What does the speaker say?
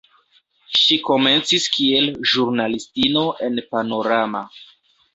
Ŝi komencis kiel ĵurnalistino en "Panorama".